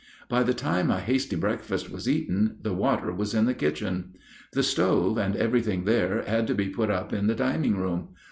By the time a hasty breakfast was eaten the water was in the kitchen. The stove and everything there had to be put up in the dining room.